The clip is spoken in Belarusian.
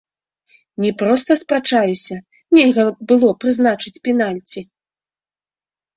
Не проста спрачаюся, нельга было прызначаць пенальці!